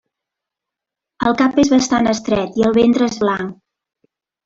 El cap és bastant estret i el ventre és blanc.